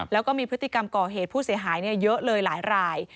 แล้วก็มีพฤติกรรมก่อเหตุผู้เสียหายเยอะเลยหลายราย